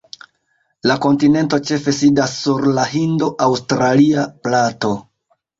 La kontinento ĉefe sidas sur la Hindo-Aŭstralia Plato.